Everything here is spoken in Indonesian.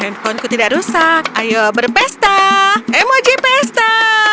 handphoneku tidak rusak ayo berpesta emoji pesta